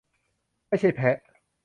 ไม่ใช่แพะ